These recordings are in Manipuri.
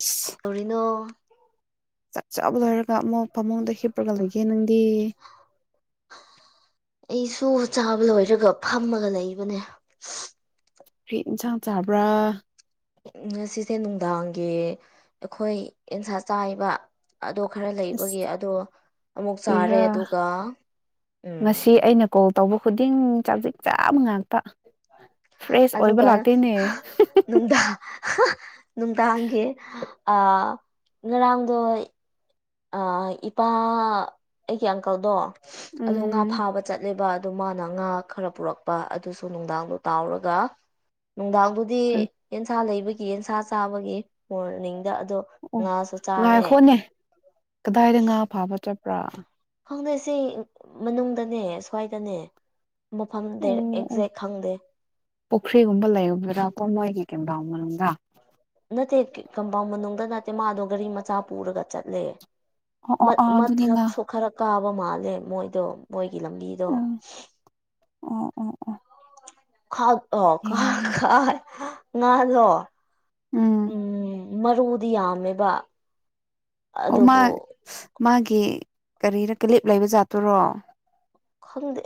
ꯑꯁ ꯀꯧꯔꯤꯅꯣ ꯆꯥꯛ ꯆꯥꯕ ꯂꯣꯏꯔꯒ ꯑꯃꯨꯛ ꯐꯃꯨꯡꯗ ꯍꯤꯞꯄ꯭ꯔꯒ ꯂꯩꯒꯦ ꯅꯪꯗꯤ ꯑꯩꯁꯨ ꯆꯥꯕ ꯂꯣꯏꯔꯒ ꯐꯝꯃꯒ ꯂꯩꯕꯅꯦ ꯐꯔꯤ ꯌꯦꯟꯁꯥꯡ ꯆꯥꯕ꯭ꯔꯥ ꯉꯁꯤꯁꯦ ꯅꯨꯡꯗꯥꯡꯒꯤ ꯑꯩꯈꯣꯏ ꯑꯦꯟꯁꯥ ꯆꯥꯏꯕ ꯑꯗꯣ ꯈꯔ ꯑꯁ ꯂꯩꯕꯒꯤ ꯑꯗꯣ ꯑꯃꯨꯛ ꯆꯥꯔꯦ ꯀꯔꯤꯔꯥ ꯑꯗꯨꯒ ꯎꯝ ꯉꯁꯤ ꯑꯩꯅ ꯀꯣꯜ ꯇꯧꯕ ꯈꯨꯗꯤꯡ ꯆꯖꯤꯛ ꯆꯥꯕ ꯉꯥꯛꯇ ꯐ꯭ꯔꯦꯁ ꯑꯣꯏꯕ ꯑꯗꯨꯒ ꯂꯥꯛꯇꯦꯅꯦ ꯅꯨꯡꯗꯥ ꯅꯨꯡꯗꯥꯡꯒꯤ ꯑ ꯉꯔꯥꯡꯗꯣ ꯑꯥ ꯏꯄꯥ ꯑꯩꯒꯤ ꯑꯪꯀꯜꯗꯣ ꯑꯗꯣ ꯉꯥ ꯎꯝ ꯐꯥꯕꯅꯤ꯫ ꯆꯠꯂꯦꯕ ꯑꯗꯨ ꯃꯥꯅ ꯉꯥ ꯈꯔ ꯄꯨꯔꯛꯄ ꯑꯗꯨꯁꯨ ꯅꯨꯡꯗꯥꯡꯗꯣ ꯇꯥꯎꯔꯒ ꯅꯨꯡꯗꯥꯡꯗꯨꯗꯤ ꯑꯣ ꯑꯦꯟꯁꯥ ꯂꯩꯕꯒꯤ ꯑꯦꯟꯁꯥ ꯆꯥꯕꯒꯤ ꯃꯣꯔꯅꯤꯡꯗ ꯑꯗꯣ ꯑꯣ ꯉꯥꯁꯨ ꯆꯥꯔꯦ ꯉꯥꯏꯈꯣꯠꯅꯦ ꯀꯗꯥꯏꯗ ꯉꯥ ꯐꯥꯕ ꯆꯠꯄ꯭ꯔꯥ? ꯈꯪꯗꯦꯁꯦ ꯃꯅꯨꯡꯗꯅꯦ ꯁ꯭ꯋꯥꯏꯗꯅꯦ꯫ ꯃꯐꯝꯗꯦ ꯑꯣ ꯑꯣ ꯑꯦꯛꯖꯦꯛ ꯈꯪꯗꯦ꯫ ꯄꯨꯈ꯭ꯔꯤꯒꯨꯝꯕ ꯂꯩꯔꯕ꯭ꯔ ꯃꯣꯏꯒꯤ ꯀꯦꯟꯗꯥꯎ ꯃꯅꯨꯡꯗ꯫ ꯅꯠꯇꯦ ꯀꯝꯄꯥꯎꯟ ꯃꯅꯨꯡꯗ ꯅꯠꯇꯦ ꯃꯥꯗꯣ ꯒꯥꯔꯤ ꯃꯆꯥ ꯄꯨꯔꯒ ꯆꯠꯂꯦ꯫ ꯑꯣ ꯑꯣ ꯃꯠ ꯑꯣ ꯑꯗꯨꯗꯤ ꯉꯥ ꯃꯊꯛꯁꯨ ꯈꯔ ꯀꯥꯕ ꯃꯥꯜꯂꯦ ꯃꯣꯏꯗꯣ ꯃꯣꯏꯒꯤ ꯂꯝꯕꯤꯗꯣ꯫ ꯑꯣ ꯑꯣ ꯑꯣ ꯑꯣ ꯈꯥꯛ ꯑꯣ ꯈ ꯌꯥꯏꯅꯦ ꯈꯥꯏ ꯉꯥꯗꯣ ꯎꯝ ꯃꯔꯨꯗꯤ ꯌꯥꯝꯃꯦꯕ ꯑꯣ ꯃꯥ ꯑꯗꯨꯕꯨ ꯃꯥꯒꯤ ꯀꯔꯤꯅ ꯀꯤꯂꯤꯞ ꯂꯩꯕ ꯖꯠꯇꯣꯔꯣ ꯈꯪꯗꯦ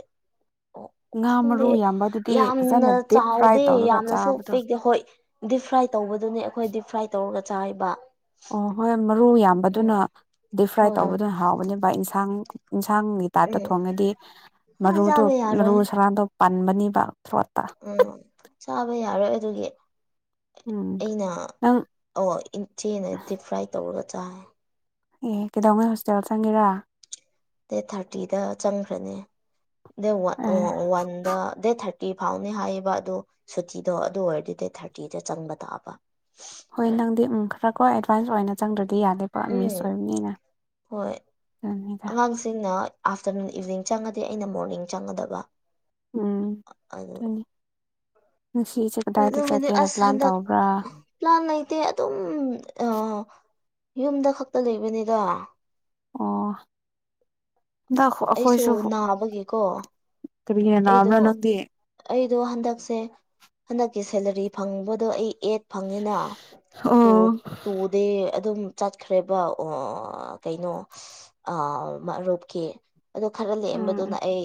ꯑꯣ ꯉꯥ ꯃꯔꯨ ꯈꯪꯗꯦ ꯌꯥꯝꯕꯗꯨꯗꯤ ꯌꯥꯝꯅ ꯐꯖꯅ ꯗꯤꯞ ꯐ꯭ꯔꯥꯏ ꯆꯥꯎꯗꯦ ꯇꯧꯔꯒ ꯌꯥꯝꯅꯁꯨ ꯆꯥꯕꯗꯣ ꯄꯤꯑꯦ ꯍꯣꯏ꯫ ꯗꯤꯞ ꯐ꯭ꯔꯥꯏ ꯇꯧꯕꯗꯨꯅꯦ ꯑꯩꯈꯣꯏ ꯗꯤꯞ ꯐ꯭ꯔꯥꯏ ꯇꯧꯔꯒ ꯆꯥꯑꯕ꯫ ꯑꯣ ꯍꯣꯏ ꯃꯔꯨ ꯌꯥꯝꯕꯗꯨꯅ ꯗꯤꯞ ꯐ꯭ꯔꯥꯏ ꯍꯣꯏ ꯍꯣꯏ ꯇꯧꯕꯗꯨꯅ ꯍꯥꯎꯕꯅꯦꯕ ꯏꯟꯁꯥꯡ ꯏꯟꯁꯥꯡꯒꯤ ꯇꯥꯏꯞꯇ ꯎꯝ ꯊꯣꯡꯉꯦꯗꯤ ꯑ ꯃꯔꯨꯗꯣ ꯆꯥꯕ ꯃꯔꯨ ꯌꯥꯔꯣꯏ ꯁꯔꯥꯟꯗꯣ ꯄꯟꯕꯅꯤꯕ ꯊ꯭ꯔꯣꯠꯇ꯫ ꯎꯝ ꯆꯥꯕ ꯌꯥꯔꯣꯏ ꯑꯗꯨꯒꯤ ꯎꯝ ꯑꯩꯅ ꯅꯪ ꯑꯣ ꯏꯆꯦꯅ ꯗꯤꯞ ꯐ꯭ꯔꯥꯏ ꯇꯧꯔꯒ ꯆꯥꯏ꯫ ꯑꯦ ꯀꯩꯗꯧꯉꯩ ꯍꯣꯁꯇꯦꯜ ꯆꯪꯒꯦꯔꯥ꯫ ꯗ‌ꯦꯠ ꯊꯥꯔꯇꯤꯗ ꯆꯪꯈ꯭ꯔꯅꯤ ꯗꯦꯠ ꯑꯦ ꯋꯥꯟꯗ ꯗꯦꯠ ꯊꯥꯔꯇꯤ ꯐꯥꯎꯅꯤ ꯍꯥꯏꯌꯦꯕ ꯑꯗꯨ꯫ ꯁꯨꯇꯤꯗꯣ ꯑꯗꯨ ꯑꯣꯏꯔꯗꯤ ꯗꯦꯠ ꯊꯥꯔꯇꯤꯗ ꯆꯪꯕ ꯇꯥꯕ꯫ ꯍꯣꯏ ꯅꯪꯗꯤ ꯎꯝ ꯈꯔꯀꯣ ꯑꯦꯗꯚꯥꯟꯁ ꯑꯣꯏꯅ ꯆꯪꯗ꯭ꯔꯗꯤ ꯌꯥꯗꯦꯕ꯫ ꯄꯨꯔꯥ ꯃꯤꯁ ꯎꯝ ꯑꯣꯏꯕꯅꯤꯅ ꯑꯗꯨꯅꯤꯗ꯫ ꯁꯤꯡꯅ ꯑꯥꯐꯇꯔꯅꯨꯟ ꯏꯚꯅꯤꯡ ꯆꯪꯉꯗꯤ ꯑꯩꯅ ꯃꯣꯔꯅꯤꯡ ꯆꯪꯒꯗꯕ꯫ ꯎꯝ ꯑꯗꯨ ꯗꯨꯅꯤ ꯉꯁꯤꯁꯦ ꯀꯗꯥꯏꯗ ꯑꯗꯨꯒꯤꯗꯤ ꯆꯠꯀꯦꯅ ꯑꯁ ꯄ꯭ꯂꯥꯟ ꯍꯟꯗꯛ ꯇꯧꯕ꯭ꯔꯥ꯫ ꯄ꯭ꯂꯥꯟ ꯂꯩꯇꯦ ꯑꯗꯨꯝ ꯑꯥ ꯌꯨꯝꯗ ꯈꯛꯇ ꯂꯩꯕꯅꯤꯗ꯫ ꯑꯣ ꯗ ꯑꯩꯁꯨ ꯑꯈꯣꯏꯁꯨ ꯅꯥꯕꯒꯤꯀꯣ ꯀꯔꯤꯅꯥ ꯑꯩꯗꯣ ꯅꯕ꯭ꯥꯔ ꯅꯪꯗꯤ꯫ ꯑꯩꯗꯣ ꯍꯟꯗꯛꯁꯦ ꯍꯟꯗꯛꯀꯤ ꯁꯦꯂꯔꯤ ꯐꯪꯕꯗꯣ ꯑꯩ ꯑꯦꯠ ꯐꯪꯉꯤꯅ ꯑꯣ ꯇꯨ ꯎꯝ ꯇꯨꯗꯤ ꯑꯗꯨꯝ ꯆꯠꯈ꯭ꯔꯦꯕ ꯑꯣ ꯀꯩꯅꯣ ꯑꯥ ꯃꯔꯨꯞꯀꯤ꯫ ꯑꯗꯣ ꯈꯔ ꯎꯝ ꯂꯦꯝꯕꯗꯨꯅ ꯑꯩ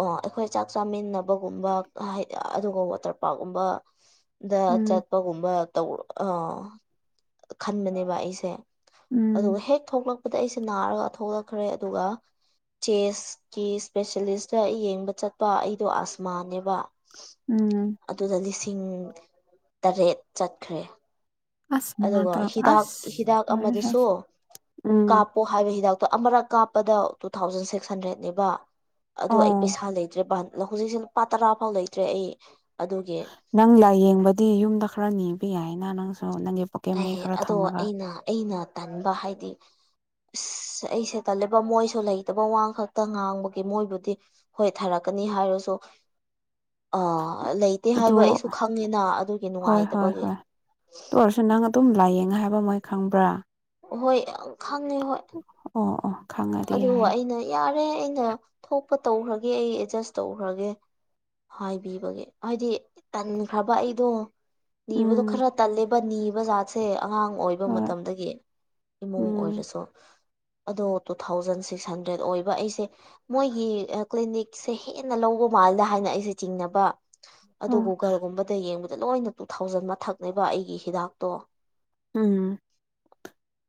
ꯑꯣ ꯑꯩꯈꯣꯏ ꯆꯥꯛ ꯆꯥꯃꯤꯟꯅꯕꯒꯨꯝꯕ ꯑꯗꯨꯒ ꯆꯠꯄꯔ ꯀꯨꯝꯕ꯫ ꯗ ꯎꯝ ꯆꯠꯄꯒꯨꯝꯕ ꯇꯧ ꯑ ꯈꯟꯕꯅꯦꯕ ꯑꯩꯁꯦ꯫ ꯎꯝ ꯑꯗꯨꯒ ꯍꯦꯛ ꯊꯣꯛꯂꯛꯄꯗ ꯑꯩꯁꯦ ꯅꯥꯔꯒ ꯊꯣꯛꯂꯛꯈ꯭ꯔꯦ ꯑꯗꯨꯒ ꯆꯦꯁꯀꯤ ꯏꯁꯄꯦꯁꯦꯂꯤꯁꯇ ꯌꯦꯡꯕ ꯆꯠꯄ ꯑꯩꯗꯣ ꯑꯁꯃꯥꯅꯦꯕ꯫ ꯎꯝ ꯑꯗꯨꯗ ꯂꯤꯁꯤꯡ ꯇꯔꯦꯠ ꯆꯠꯈ꯭ꯔꯦ꯫ ꯑꯁ ꯃꯉꯥ ꯑꯗꯨꯒ ꯇꯔꯨꯛ ꯍꯤꯗꯥꯛ ꯑꯁ ꯍꯤꯗꯥꯛ ꯂꯣꯏꯔꯦꯍꯦ ꯑꯃꯗꯨꯁꯨ ꯎꯝ ꯀꯥꯞ ꯀꯞꯄꯣ ꯍꯥꯏꯕ ꯍꯤꯗꯥꯛꯇꯣ ꯑꯃꯔꯛ ꯀꯥꯞꯄꯗ ꯇꯨ ꯊꯥꯎꯖꯟ ꯁꯤꯛꯁ ꯍꯟꯗ꯭ꯔꯦꯗꯅꯦꯕ꯫ ꯑꯗꯨ ꯑꯩ ꯑꯣ ꯄꯩꯁꯥ ꯂꯩꯇ꯭ꯔꯦ ꯍꯧꯖꯤꯛꯁꯦ ꯂꯨꯄꯥ ꯇꯔꯥ ꯐꯥꯎ ꯂꯩꯇ꯭ꯔꯦ ꯑꯩ ꯑꯗꯨꯒꯤ꯫ ꯅꯪ ꯂꯥꯏꯌꯦꯡꯕꯗꯤ ꯌꯨꯝꯗ ꯈꯔ ꯅꯤꯕ ꯌꯥꯏꯅ ꯅꯪꯁꯨ ꯅꯪꯒꯤ ꯄꯣꯀꯦꯠ ꯃꯅꯤ ꯑꯦ ꯈꯔ ꯑꯗꯣ ꯊꯝꯃꯒ ꯑꯩꯅ ꯑꯩꯅ ꯇꯟꯕ ꯍꯥꯏꯗꯤ ꯏꯁꯁ ꯑꯩ ꯁꯦ ꯇꯂꯦꯕ ꯃꯣꯏꯁꯨ ꯂꯩꯇꯕ ꯋꯥ ꯈꯛꯇ ꯉꯥꯡꯕꯒꯤ ꯃꯣꯏꯕꯨꯗꯤ ꯍꯣꯏ ꯊꯥꯔꯛꯀꯅꯤ ꯍꯥꯏꯔꯁꯨ ꯑ ꯂꯩꯇꯦ ꯑꯗꯨ ꯍꯥꯏꯕ ꯑꯩꯁꯨ ꯈꯪꯉꯤꯅ ꯑꯗꯨꯒꯤ ꯅꯨꯡꯉꯥꯏꯇꯕꯒꯤ ꯇ ꯑꯣꯏꯔꯁꯨ ꯅꯪ ꯑꯗꯨꯝ ꯂꯥꯏꯌꯦꯡꯉ ꯍꯥꯏꯕ ꯃꯣꯏ ꯈꯪꯕ꯭ꯔꯥ ꯍꯣꯏ ꯌꯥꯝ ꯈꯪꯉꯦ ꯍꯣꯏ ꯑꯣ ꯑꯣ ꯈꯪꯉꯗꯤ ꯑꯗꯨꯒ ꯌꯥꯔꯦ ꯑꯩꯅ ꯌꯥꯔꯦ ꯑꯩꯅ ꯊꯣꯛꯄ ꯇꯧꯈ꯭ꯔꯒꯦ ꯑꯩ ꯑꯦꯗꯖꯁ ꯇꯧꯈ꯭ꯔꯒꯦ ꯍꯥꯏꯕꯤꯕꯒꯦ ꯍꯥꯏꯗꯤ ꯇꯟꯈ꯭ꯔꯕ ꯑꯩꯗꯣ ꯅꯤꯕꯗꯣ ꯎꯝ ꯈꯔ ꯇꯜꯂꯦꯕ ꯅꯤꯕ ꯖꯥꯠꯁꯦ ꯑꯉꯥꯡ ꯑꯣꯏꯕ ꯍꯣꯏ ꯃꯇꯝꯗꯒꯤ ꯏꯃꯨꯡ ꯎꯝ ꯑꯣꯏꯔꯁꯨ ꯑꯗꯣ ꯇꯨ ꯊꯥꯎꯖꯟ ꯁꯤꯛꯁ ꯍꯟꯗ꯭ꯔꯦꯗ ꯑꯣꯏꯕ ꯑꯩꯁꯦ ꯃꯣꯏꯒꯤ ꯀ꯭ꯂꯤꯅꯤꯛꯁꯦ ꯍꯦꯟꯅ ꯂꯧꯕ ꯃꯥꯜꯗ ꯍꯥꯏꯅ ꯑꯩꯁꯦ ꯆꯤꯡꯅꯕ ꯑꯗꯨ ꯑꯥ ꯒꯨꯒꯜꯒꯨꯝꯕꯗ ꯌꯦꯡꯕꯗ ꯂꯣꯏꯅ ꯇꯨ ꯊꯥꯎꯖꯟ ꯃꯊꯛꯅꯦꯕ ꯑꯩꯒꯤ ꯍꯤꯗꯥꯛꯇꯣ ꯎꯝ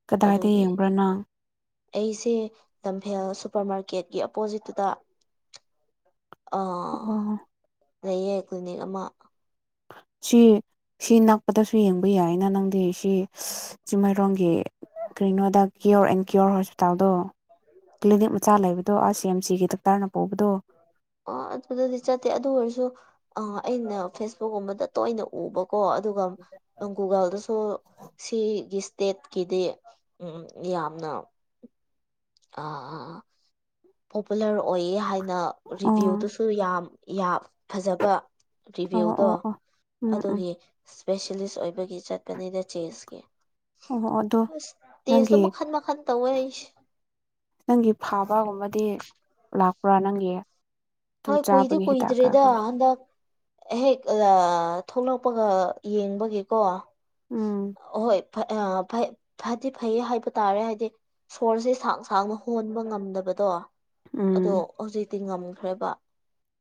ꯀꯗꯥꯏꯗ ꯑꯗꯨꯒꯤ ꯌꯦꯡꯕ꯭ꯔꯥ ꯅꯪ ꯑꯩꯁꯦ ꯂꯝꯐꯦꯜ ꯁꯨꯄꯔ ꯃꯥꯔꯀꯦꯠꯀꯤ ꯑꯣꯄꯣꯖꯤꯠꯇꯨꯗ ꯑꯥ ꯑꯣ ꯂꯩꯌꯦ ꯀ꯭ꯂꯤꯅꯤꯛ ꯑꯃ ꯁꯤ ꯁꯤ ꯅꯛꯄꯗꯁꯨ ꯌꯦꯡꯕ ꯌꯥꯏꯅ ꯅꯪꯗꯤ ꯁꯤ ꯆꯤꯡꯃꯔꯣꯡꯒꯤ ꯀꯔꯤꯅꯣꯗ ꯀꯤꯌꯣꯔ ꯑꯦꯟ ꯀꯤꯌꯣꯔ ꯍꯣꯁꯄꯤꯇꯥꯜꯗꯣ ꯀ꯭ꯂꯤꯅꯤꯛ ꯃꯆꯥ ꯂꯩꯕꯗꯣ ꯑꯁ ꯁꯤ ꯑꯦꯝ ꯁꯤꯒꯤ ꯗꯥꯛꯇꯔꯅ ꯄꯨꯕꯗꯣ ꯑ ꯑꯗꯨꯗꯤ ꯆꯠꯇꯦ ꯑꯗꯨ ꯑꯣꯏꯔꯁꯨ ꯑ ꯑꯩꯅ ꯐꯦꯁꯕꯨꯛꯀꯨꯝꯕꯗ ꯇꯣꯏꯅ ꯎꯕ ꯀꯣ ꯑꯗꯨꯒ ꯒꯨꯒꯜꯗꯁꯨ ꯁꯤꯒꯤ ꯁ꯭ꯇꯦꯠꯀꯤꯗꯤ ꯎꯝ ꯌꯥꯝꯅ ꯑ ꯄꯣꯄꯨꯂꯔ ꯑꯣꯏꯌꯦ ꯍꯥꯏꯅ ꯑꯣ ꯔꯤꯚ꯭ꯌꯨꯗꯨꯁꯨ ꯌꯥꯝ- ꯌꯥꯝ ꯐꯖꯕ ꯑꯣ ꯔꯤꯚꯤꯌꯨꯗꯣ ꯑꯣ ꯑꯣ ꯎꯝ ꯎꯝ ꯑꯗꯨꯒꯤ ꯏꯁꯄꯦꯁꯤꯌꯦꯂꯤꯁ ꯑꯣꯏꯕꯒꯤ ꯆꯠꯄꯅꯤꯗ ꯆꯦꯁꯀꯤ ꯑꯣ ꯑꯣ ꯑꯗꯣ ꯑꯁ ꯇꯁꯇꯣ ꯅꯪꯒꯤ ꯃꯈꯥꯟ -ꯃꯈꯥꯟ ꯇꯧꯏ ꯑꯩꯁ ꯅꯪꯒꯤ ꯐꯥꯕꯒꯨꯝꯕꯗꯤ ꯂꯥꯛꯄ꯭ꯔꯥ ꯅꯪꯒꯤ ꯑꯗꯨ ꯍꯣꯏ ꯀꯨꯏꯗꯤ ꯆꯥꯕꯒꯤ ꯍꯤꯗꯥꯛ ꯀꯨꯏꯗ꯭ꯔꯤꯗ ꯀꯥꯞꯄꯒꯤ ꯍꯟꯗꯛ ꯍꯦꯛ ꯑ - ꯊꯣꯛꯂꯛꯄꯒ ꯌꯦꯡꯕꯒꯤꯀꯣ ꯎꯝ ꯍꯣꯏ ꯐ ꯐꯗꯤ ꯐꯩ ꯍꯥꯏꯕ ꯇꯥꯔꯦ ꯍꯥꯏꯗꯤ ꯁꯣꯔꯁꯦ ꯁꯥꯡ ꯁꯥꯡꯅ ꯍꯣꯟꯕ ꯉꯝꯗꯕꯗꯣ ꯑꯗꯣ ꯎꯝ ꯍꯧꯖꯤꯛꯇꯤ ꯉꯝꯈ꯭ꯔꯦꯕ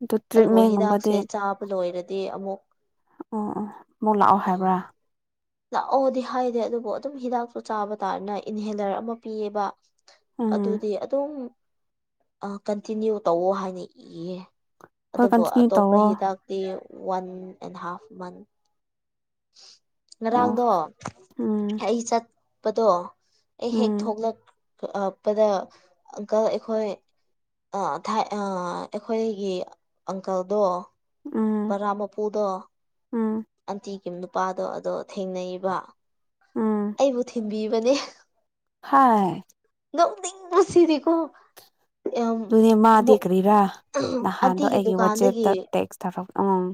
ꯑꯗꯨ ꯑꯗꯨꯕꯨ ꯍꯤꯗꯥꯛꯁꯦ ꯇ꯭ꯔꯤꯠꯃꯦꯟꯒꯨꯝꯕꯗꯤ ꯆꯥꯕ ꯂꯣꯏꯔꯗꯤ ꯑꯃꯨꯛ ꯑꯣ ꯑꯣ ꯑꯃꯨꯛ ꯂꯥꯛꯑꯣ ꯍꯥꯏꯕ꯭ꯔꯥ ꯂꯥꯛꯑꯣꯗꯤ ꯍꯥꯏꯗꯦ ꯑꯗꯨꯕꯨ ꯑꯗꯨꯝ ꯍꯤꯗꯥꯛꯇꯨ ꯆꯥꯕ ꯇꯥꯔꯅ ꯏꯟꯍꯦꯂꯔ ꯑꯃ ꯄꯤꯌꯦꯕ ꯎꯝ ꯑꯗꯨꯗꯤ ꯑꯗꯨꯝ ꯑ ꯀꯟꯇꯤꯅ꯭ꯌꯨ ꯇꯧꯋꯣ ꯍꯥꯏꯅ ꯏꯌꯦ ꯍꯣꯏ ꯑꯗꯨꯕꯨ ꯀꯟꯇꯤꯅ꯭ꯌꯨ ꯑꯇꯣꯞꯄ ꯇꯧꯋꯣ ꯍꯤꯗꯥꯛꯇꯤ ꯋꯥꯟ ꯑꯦꯟ ꯍꯥꯐ ꯃꯟ ꯑꯣ ꯉꯔꯥꯡꯗꯣ ꯎꯝ ꯑꯩ ꯆꯠ ꯕꯗꯣ ꯑꯩ ꯍꯦꯛ ꯎꯝ ꯊꯣꯛꯂꯄꯗ ꯑ ꯑꯪꯀꯜ ꯑꯩꯈꯣꯏ ꯑ ꯊꯥꯏ ꯑꯩꯈꯣꯏꯒꯤ ꯑꯪꯀꯜꯗꯣ ꯎꯝ ꯕꯥꯔꯥ ꯃꯄꯨꯗꯣ ꯎꯝ ꯑꯟꯇꯤꯒꯤ ꯅꯨꯄꯥꯗꯣ ꯑꯗꯣ ꯊꯦꯡꯅꯩꯌꯦꯕ ꯑꯝ ꯑꯩꯕꯨ ꯊꯤꯟꯕꯤꯕꯅꯦ ꯍꯥꯏ ꯅꯣꯛꯅꯤꯡꯕꯁꯤꯗꯤꯀꯣ ꯌꯥꯝ ꯑꯗꯨꯅꯦ ꯃꯥꯗꯤ ꯀꯔꯤꯔꯥ ꯅꯍꯥꯟꯗꯣ ꯑꯟꯇꯤꯒꯤ ꯑꯩꯒꯤ ꯗꯨꯀꯥꯟꯗꯒꯤ ꯋꯥꯆꯦꯞꯇ ꯇꯦꯛꯁ ꯊꯧꯔꯛ ꯎꯝ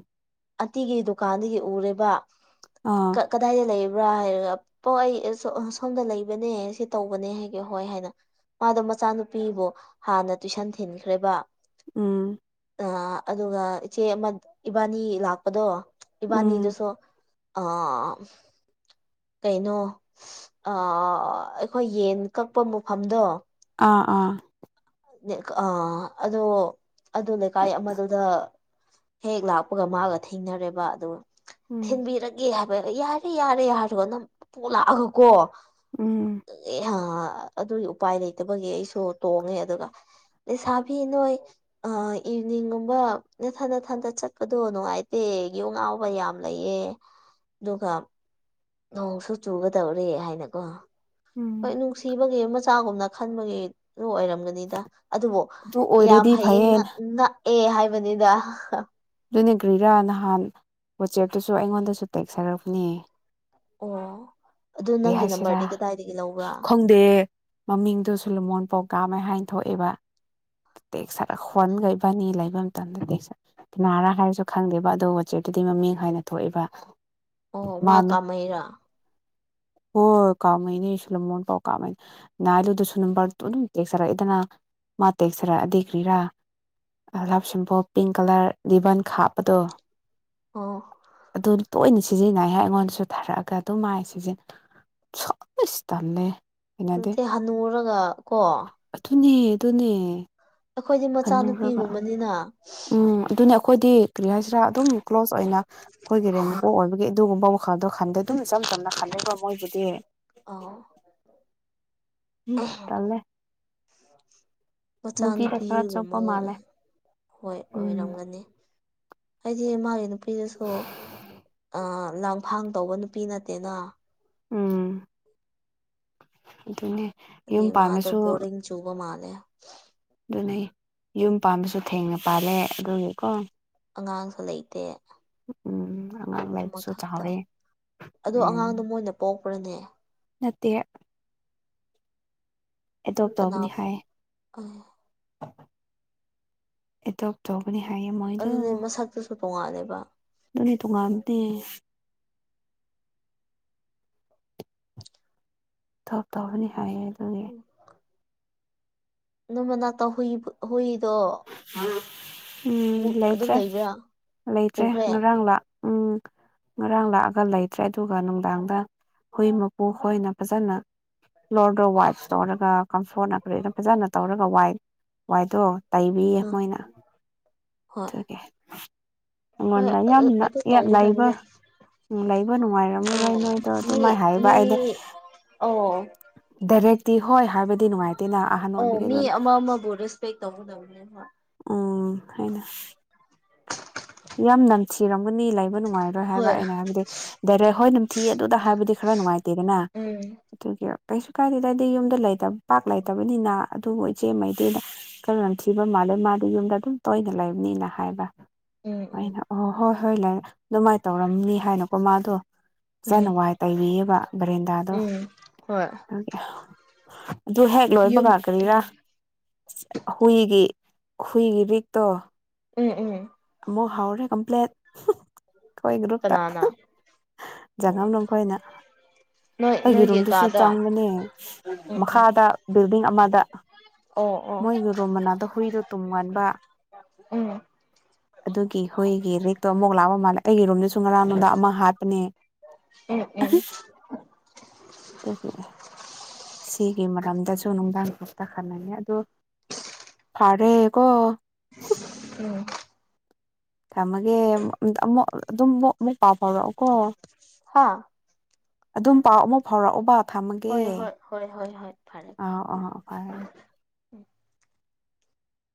ꯑꯟꯇꯤꯒꯤ ꯗꯨꯀꯥꯟꯗꯒꯤ ꯎꯔꯦꯕ ꯑꯥ ꯀ ꯀꯗꯥꯏꯗ ꯂꯩꯕ꯭ꯔꯥ ꯍꯥꯏꯔꯒ ꯄꯣ ꯑꯩ ꯑꯦ ꯁꯣ ꯁꯣꯝꯗ ꯂꯩꯕꯅꯦ ꯁꯤ ꯇꯧꯕꯅꯦ ꯍꯥꯏꯒꯦ ꯍꯣꯏ ꯍꯥꯏꯅ ꯃꯥꯗꯣ ꯃꯆꯥꯅꯨꯄꯤꯕꯨ ꯍꯥꯟꯅ ꯇꯨꯏꯁꯟ ꯊꯤꯟꯈ꯭ꯔꯦꯕ ꯎꯝ ꯑ ꯑꯗꯨꯒ ꯏꯆꯦ ꯑꯃ ꯏꯕꯥꯅꯤ ꯂꯥꯛꯄꯗꯣ ꯎꯝ ꯏꯕꯥꯅꯤꯗꯨꯁꯨ ꯑꯥ ꯀꯩꯅꯣ ꯑ ꯑꯩꯈꯣꯏ ꯌꯦꯟ ꯀꯛꯄ ꯃꯐꯝꯗꯣ ꯑꯥ ꯑꯥ ꯑꯥ ꯑꯗꯣ ꯑꯗꯨ ꯂꯩꯀꯥꯏ ꯑꯃꯗꯨꯗ ꯍꯦꯛ ꯂꯥꯛꯄꯒ ꯃꯥꯒ ꯊꯩꯅꯔꯦꯕ ꯑꯗꯨꯒ ꯎꯝ ꯊꯤꯟꯕꯤꯔ ꯒꯦ ꯍꯥꯏꯕ ꯌꯥꯔꯦ ꯌꯥꯔꯦ ꯍꯥꯏꯔꯒ ꯅꯝꯐꯨ ꯂꯥꯥꯛꯑꯀꯣ ꯎꯝ ꯑꯗꯨꯒꯤ ꯎꯄꯥꯏ ꯂꯩꯇꯕꯒꯤ ꯑꯩꯁꯨ ꯇꯣꯡꯉꯦ ꯑꯗꯨꯒ ꯂꯩꯁꯥꯕꯤ ꯅꯣꯏ ꯑ ꯏꯚꯅꯤꯡꯒꯨꯝꯕ ꯅꯊꯟ ꯅꯊꯟꯇ ꯆꯠꯄꯗꯣ ꯅꯨꯡꯉꯥꯏꯇꯦ ꯌꯨ ꯉꯥꯎꯕ ꯌꯥꯝ ꯂꯩꯌꯦ ꯗꯨꯒ ꯅꯣꯡꯁꯨ ꯆꯨꯒꯗꯧꯔꯦ ꯍꯥꯏꯅꯀꯣ ꯎꯝ ꯍꯣꯏ ꯅꯨꯡꯁꯤꯕꯒꯤ ꯃꯆꯥꯒꯨꯝꯅ ꯈꯟꯕꯒꯤ ꯑꯗꯨ ꯑꯣꯏꯔꯝꯒ ꯗ ꯑꯗꯨꯕꯨ ꯑꯗꯨ ꯌꯥꯝ ꯑꯣꯏꯔꯗꯤ ꯐꯩꯌꯦ ꯉꯛ ꯅꯛꯑꯦ ꯍꯥꯏꯕꯅꯤꯗ ꯗꯨꯅꯦ ꯀꯔꯤꯔꯥ ꯅꯍꯥꯟ ꯋꯥꯆꯦꯞꯇꯁꯨ ꯑꯩꯉꯣꯟꯗꯁꯨ ꯇꯦꯛꯁ ꯍꯥꯏꯔꯛꯄꯅꯦ ꯑꯣ ꯑꯗꯨ ꯅꯪꯒꯤ ꯅꯝꯕꯔꯗꯤ ꯀꯗꯥꯏꯗꯒꯤ ꯂꯧꯕ꯭ꯔꯥ ꯗꯦ ꯃꯃꯤꯡꯗꯨ ꯁꯣꯂꯨꯃꯣꯟ ꯄꯧꯀꯥꯝꯃꯦ ꯍꯥꯏꯅ ꯊꯣꯛꯑꯦꯕ ꯇꯦꯛꯁꯔ ꯈꯣꯟꯒ ꯏꯕꯅꯤ ꯂꯩꯕ ꯃꯇꯝꯗ ꯇꯦꯛꯁ ꯀꯅꯥꯔꯥ ꯍꯥꯏꯔꯁꯨ ꯈꯪꯗꯦꯕ ꯑꯗꯨ ꯋꯥꯆꯦꯞꯇꯗꯤ ꯃꯃꯤꯡ ꯍꯥꯏꯅ ꯊꯣꯛꯏꯕ ꯑꯣ ꯃꯥ ꯀꯥꯃꯩꯔꯥ ꯑꯣ ꯀꯥꯃꯩꯅꯦ ꯁꯣꯂꯨꯃꯣꯟ ꯄꯥꯎ ꯀꯥꯃꯩ ꯉꯥꯏꯂꯨꯗꯨꯁꯨ ꯅꯝꯕꯔ ꯇꯨ ꯑꯗꯨꯝ ꯇꯦꯛꯁ ꯆꯔꯛꯑꯦꯗꯅ ꯃꯥ ꯇꯦꯛꯁ ꯆꯔꯛꯑꯗꯤ ꯀ꯭ꯔꯤꯔꯥ ꯑ ꯂꯥꯞ ꯁꯤꯝꯕꯣꯜ ꯄꯤꯡ ꯀꯂꯔ ꯔꯤꯕꯟꯀ ꯍꯥꯞꯄꯗꯣ ꯑꯣ ꯑꯗꯨꯝ ꯇꯣꯏꯅ ꯁꯤꯖꯤꯟꯅꯩ ꯍꯥꯏ ꯑꯩꯉꯣꯟꯗꯁꯨ ꯊꯥꯔꯛꯑꯒ ꯑꯗꯨꯝ ꯃꯥꯏ ꯁꯤꯖꯤꯟ ꯁꯥꯏꯁ ꯇꯜꯂꯦ ꯍꯩꯅꯗꯦ ꯅꯠꯇꯦ ꯍꯅꯨꯔꯒ ꯀꯣ ꯑꯗꯨꯅꯦ ꯑꯗꯨꯅꯦ ꯑꯈꯣꯏꯗꯤ ꯍꯟꯅꯨꯔꯒ ꯃꯆꯥꯅꯨꯄꯤꯒꯨꯝꯕꯅꯤꯅ ꯎꯝ ꯑꯗꯨꯅꯦ ꯑꯈꯣꯏꯗꯤ ꯀꯔꯤ ꯍꯥꯏꯁꯤꯔꯥ ꯑꯗꯨꯝ ꯀ꯭ꯂꯣꯖ ꯑꯣꯏꯅ ꯑꯈꯣꯏꯒꯤ ꯔꯦꯟ ꯃꯄꯨ ꯑꯣꯏꯕꯒꯤ ꯑꯗꯨꯒꯨꯝꯕ ꯈꯜꯗꯣ ꯈꯟꯗꯦ ꯑꯗꯨꯝ ꯏꯆꯝ ꯆꯝꯅ ꯈꯂꯦꯕ ꯃꯣꯏꯒꯤꯗꯤ ꯑꯥꯎ ꯍꯝ ꯇꯜꯂꯦ ꯅꯨꯄꯤꯗ ꯈꯔ ꯆꯣꯞꯄ ꯃꯆꯥꯥꯅꯨꯄꯤꯒꯨꯝꯕꯒ ꯃꯥꯜꯂꯦ ꯑꯦ ꯍꯣꯏ ꯎꯝ ꯑꯣꯏꯔꯝꯒꯅꯤ ꯍꯥꯏꯗꯤ ꯃꯥꯒꯤ ꯅꯨꯄꯤꯗꯨꯁꯨ ꯑ ꯂꯥꯡꯐꯥꯡ ꯇꯧꯕ ꯅꯨꯄꯤ ꯅꯠꯇꯦꯅ ꯎꯝ ꯑꯗꯨꯅꯦ ꯌꯨꯝ ꯃꯥꯗꯣ ꯄꯥꯟꯕꯁꯨ ꯕꯣꯔꯤꯡ ꯆꯨꯕ ꯃꯥꯜꯂꯦ ꯑꯗꯨꯅꯦ ꯌꯨꯝ ꯄꯥꯝꯕꯁꯨ ꯊꯦꯡꯅ ꯄꯥꯜꯂꯦ ꯑꯗꯨꯒꯤꯀꯣ ꯑꯉꯥꯡꯁꯨ ꯂꯩꯇꯦ ꯎꯝ ꯂꯥꯏꯕꯁꯨ ꯑꯃꯈꯛꯇ ꯆꯥꯎꯔꯦ ꯑꯗꯣ ꯎꯝ ꯑꯉꯥꯡꯗꯣ ꯃꯣꯏꯅ ꯄꯣꯛꯄ꯭ꯔꯅꯦ ꯅꯠꯇꯦ ꯑꯦꯗꯣꯞ ꯀꯅꯥ ꯇꯧꯕꯅꯤ ꯍꯥꯏꯌꯦ ꯑꯦ ꯑꯦꯗꯣꯞ ꯇꯧꯕꯅꯤ ꯍꯥꯏꯌꯦ ꯃꯣꯏꯗꯣ ꯑꯗꯨꯁꯨ ꯇꯣꯡꯉꯥꯜꯂꯦꯕ ꯑꯗꯨꯅꯦ ꯇꯣꯉꯥꯟꯕꯗꯤ ꯊꯕꯛ ꯇꯧꯒꯅꯤ ꯍꯥꯏꯌꯦ ꯑꯗꯨꯒꯤ ꯅꯪ ꯅꯅꯥꯛꯇ ꯍꯨꯏ ꯍꯨꯏꯗꯣ ꯎꯝ ꯑꯃꯨꯛ ꯑꯗꯨꯝ ꯂꯩꯇ꯭ꯔꯦ ꯂꯩꯕ꯭ꯔꯥ ꯂꯩꯇ꯭ꯔꯦ ꯄꯨꯈ꯭ꯔꯦ ꯉꯔꯥꯡ ꯂꯥꯛ ꯎꯝ ꯉꯔꯥꯡ ꯂꯥꯛꯑꯒ ꯂꯩꯇ꯭ꯔꯦ ꯑꯗꯨꯒ ꯅꯨꯡꯗꯥꯡꯗ ꯍꯨꯏ ꯃꯄꯨ ꯈꯣꯏꯅ ꯐꯖꯅ ꯐ꯭ꯂꯣꯔꯗꯣ ꯋꯥꯏꯠ ꯇꯧꯔꯒ ꯀꯝꯐꯣꯔꯠ ꯅꯥꯀ꯭ꯔ ꯑꯗꯨ ꯐꯖꯅ ꯇꯧꯔꯒ ꯋꯥꯏꯠ ꯋꯥꯏꯗꯠꯇꯣ ꯇꯥꯏꯕꯤꯌꯦ ꯎꯝ ꯃꯣꯏꯅ ꯍꯣꯏ ꯑꯗꯨꯒꯤ ꯍꯣꯏ ꯑꯩꯉꯣꯟꯗ ꯌꯥꯝꯅ ꯑꯗꯨ ꯂꯩꯕ ꯇꯧꯒꯗꯕꯅꯦ ꯎꯝ ꯂꯩꯕ ꯅꯨꯡꯉꯥꯏꯔꯝꯂꯔꯣꯏ ꯑꯣ ꯅꯣꯏꯗꯣ ꯑꯗꯨ ꯃꯤ ꯃꯥꯏ ꯍꯥꯏꯕ ꯃꯤ ꯑꯩꯗꯤ ꯑꯣ ꯗꯥꯏꯔꯦꯛꯇꯤ ꯍꯣꯏ ꯍꯥꯏꯕꯗꯤ ꯅꯨꯡꯉꯥꯏꯇꯦꯅ ꯑꯍꯟ ꯑꯣꯏꯕꯒꯤ ꯑꯗꯨ ꯑꯃꯥ ꯕꯣꯔꯤꯁ ꯕꯦꯛ ꯇꯧꯒꯗꯕꯅꯦꯕ ꯎꯝ ꯍꯥꯏꯅ ꯌꯥꯝ ꯅꯝꯊꯤꯔꯝꯒꯅꯤ ꯂꯩ ꯂꯩꯕ ꯅꯨꯡꯉꯥꯏꯔꯣꯏ ꯍꯥꯏꯕ ꯍꯣꯏ ꯑꯩꯅ ꯍꯥꯏꯕꯗꯤ ꯗꯥꯏꯔꯦꯛ ꯍꯣꯏ ꯅꯥꯝꯊꯤ ꯑꯗꯨꯗ ꯍꯥꯏꯕꯗꯤ ꯈꯔ ꯅꯨꯡꯉꯥꯏꯇꯦꯗꯅ ꯎꯝ ꯑꯗꯨꯒꯤ ꯀꯩꯁꯨ ꯀꯥꯏꯗꯦꯗ ꯑꯩꯗꯤ ꯌꯨꯝꯗ ꯄꯥꯛ ꯂꯩꯇꯕꯅꯤꯅ ꯑꯗꯨꯕꯨ ꯏꯆꯦꯃꯩꯗꯤ ꯀꯔ ꯂꯝꯝꯊꯤꯕ ꯃꯥꯜꯂꯦ ꯃꯥꯗꯤ ꯌꯨꯝꯗ ꯑꯗꯨꯝ ꯇꯣꯏꯅ ꯂꯩꯕꯅꯤꯅ ꯍꯥꯏꯕ ꯎꯝ ꯎꯝ ꯑꯩꯅ ꯑꯣ ꯍꯣꯏ ꯍꯣꯏ ꯑꯗꯨꯃꯥꯏꯅ ꯇꯧꯔꯝꯅꯤ ꯍꯥꯏꯅꯀꯣ ꯃꯥꯗꯣ ꯎꯝ ꯐꯖꯅ ꯋꯥꯏ ꯇꯩꯕꯤꯑꯦꯕ ꯕ‌ꯦꯟꯅꯥꯜꯗꯥꯗꯣ ꯎꯝ ꯍꯣꯏ ꯑꯗꯨ ꯍꯦꯛ ꯌꯨꯝ ꯂꯣꯏꯕꯀꯥ ꯀꯔꯤꯔꯥ ꯍꯨꯏꯒꯤ ꯍꯨꯏꯒꯤ ꯕꯤꯛꯇꯣ ꯎꯝ ꯎꯝ ꯑꯃꯨꯛ ꯍꯥꯎꯔꯦ ꯀꯝꯄ꯭ꯂꯦꯟ ꯑꯩꯈꯣꯏ ꯒ꯭ꯔꯨꯞꯇ ꯀꯅꯥꯅ ꯖꯉꯝ ꯑꯣ ꯅꯨꯡꯈꯣꯏꯅ ꯅꯣꯏ ꯑꯩꯒꯤ ꯅꯣꯏꯒꯤ ꯔꯨꯝꯗꯁꯨ ꯀꯥꯗ ꯆꯪꯕꯅꯦ ꯎꯝ ꯎꯝ ꯃꯈꯥꯗ ꯕꯤꯜꯗꯤꯡ ꯑꯃꯗ ꯑꯣ ꯑꯣ ꯃꯣꯏꯒꯤ ꯔꯨꯝ ꯃꯅꯥꯛꯗ ꯍꯨꯏꯗꯣ ꯇꯨꯝꯉꯥꯟꯕ ꯎꯝ ꯑꯗꯨꯒꯤ ꯍꯣꯏꯒꯤ ꯔꯦꯛꯇꯣ ꯑꯃꯨꯛ ꯂꯥꯛꯄ ꯃꯥꯜꯂꯦ ꯑꯩꯒꯤ ꯔꯨꯝꯗꯁꯨ ꯉꯔꯥꯡ ꯅꯨꯡꯗꯥꯡ ꯑꯃ ꯍꯥꯠꯄꯅꯦ ꯎꯝ ꯎꯝ ꯑꯣꯦ [unintelligible] ꯁꯤꯒꯤ ꯃꯔꯝꯗꯁꯨ ꯅꯨꯡꯗꯥꯡ ꯈꯛꯇ ꯈꯜꯂꯒꯦ ꯑꯗꯨ ꯐꯔꯦ ꯀꯣ ꯑꯝ ꯊꯝꯃꯒꯦ ꯑꯃꯨ [unintelligible] ꯑꯗꯨꯃꯨꯛ ꯑꯃꯨꯛ ꯄꯥꯎ ꯐꯥꯎꯔ‌ꯎꯀꯣ ꯍꯥꯥ ꯑꯗꯨꯝ ꯄꯥꯎ ꯑꯃꯨꯛ ꯐꯥꯎꯔꯑꯣꯕ ꯊꯝꯃꯒꯦ ꯍꯣꯏ ꯍꯣꯏ ꯍꯣꯏ ꯍꯣꯏ ꯍꯣꯏ ꯐꯔꯦ ꯑꯥꯎ ꯑꯥ [unintelligible]